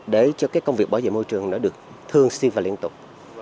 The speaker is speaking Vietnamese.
để cho cái công việc bảo vệ môi trường nó được thường xuyên và liên tục